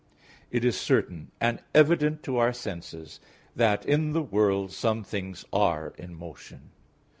It is certain, and evident to our senses, that in the world some things are in motion.